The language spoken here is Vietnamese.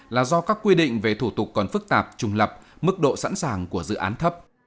là do các quy định về thủ tục còn phức tạp trùng lập mức độ sẵn sàng của dự án thấp